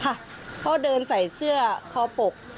เขาเดินใส่เสื้อคอปก